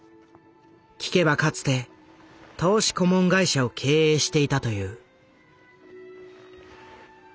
聞けばかつて投資顧問会社を経営していたという。